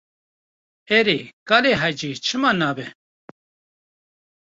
Erê, kalê hecî, çima nabe.